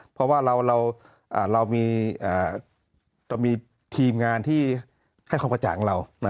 เพราะว่าเรามีทีมงานที่ให้ความกระจ่างเรา